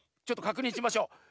ちょっとかくにんしましょう。